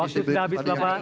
waktu sudah habis bapak